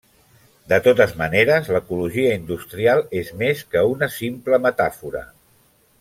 De totes maneres l'ecologia industrial és més que una simple metàfora.